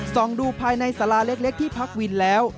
ส่องดูภายในสาราเล็กที่พักวินแล้ว